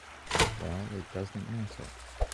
Well, it doesn’t matter.